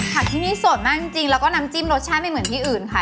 ที่นี่สดมากจริงแล้วก็น้ำจิ้มรสชาติไม่เหมือนที่อื่นค่ะ